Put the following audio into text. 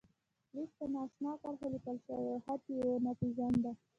لیک په نا آشنا کرښو لیکل شوی و او خط یې و نه پېژانده.